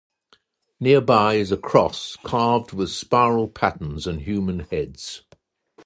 Nearby is a cross carved with spiral patterns and human heads.